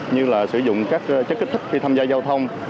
như là sử dụng các chất kích thích khi tham gia giao thông